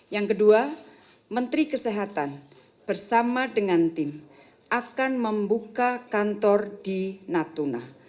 yang kedua menteri kesehatan bersama dengan tim akan membuka kantor di natuna